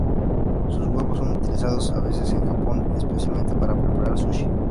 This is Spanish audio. Sus huevos son utilizados a veces en Japón, especialmente para preparar sushi.